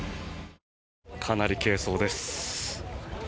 かなり軽装です。